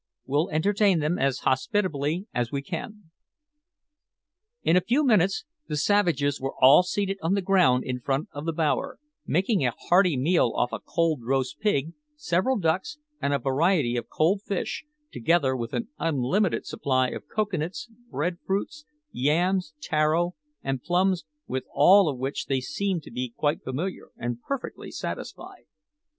We'll entertain them as hospitably as we can." In a few minutes the savages were all seated on the ground in front of the bower, making a hearty meal off a cold roast pig, several ducks, and a variety of cold fish, together with an unlimited supply of cocoa nuts, bread fruits, yams, taro, and plums with all of which they seemed to be quite familiar and perfectly satisfied.